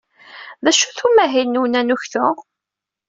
D acu-t umahil-nwen anuktu?